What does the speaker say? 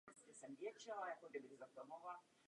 Ve městě se nachází základní škola.